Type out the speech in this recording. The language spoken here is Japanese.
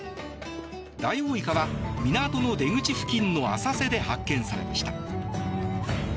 ダイオウイカは港の出口付近の浅瀬で発見されました。